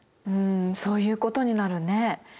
うんそういうことになるね。